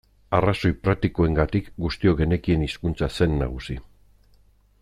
Arrazoi praktikoengatik guztiok genekien hizkuntza zen nagusi.